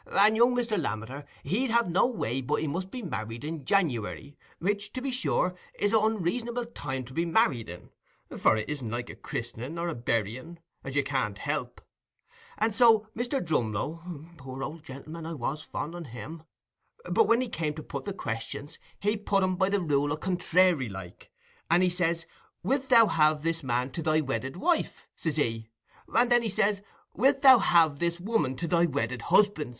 And young Mr. Lammeter, he'd have no way but he must be married in Janiwary, which, to be sure, 's a unreasonable time to be married in, for it isn't like a christening or a burying, as you can't help; and so Mr. Drumlow—poor old gentleman, I was fond on him—but when he come to put the questions, he put 'em by the rule o' contrairy, like, and he says, "Wilt thou have this man to thy wedded wife?" says he, and then he says, "Wilt thou have this woman to thy wedded husband?"